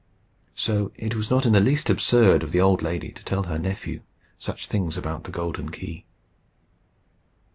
So it was not in the least absurd of the old lady to tell her nephew such things about the golden key.